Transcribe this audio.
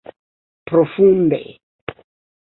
Profunde!